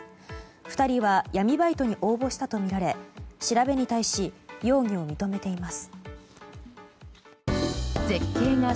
２人は闇バイトに応募したとみられ調べに対し容疑を認めています。